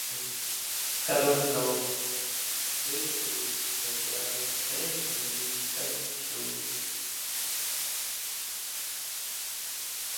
This causes the toy to spin as it sinks and rises.